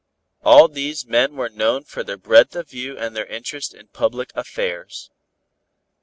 All these men were known for their breadth of view and their interest in public affairs.